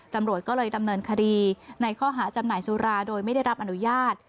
ตำรวจก็เลยดำเนินคดีในข้อหาจำหน่ายสุราโดยไม่ได้รับอนุญาต